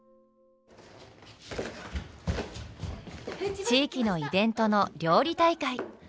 やっぱ地域のイベントの料理大会。